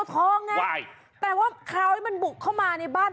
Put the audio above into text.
เต็มตัวทองไงแต่ว่าคราวนี้มันบุกเข้ามาในบ้าน